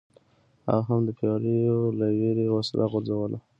هغه هم د پیرو له ویرې وسله ګرځوله.